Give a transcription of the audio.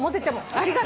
ありがとう。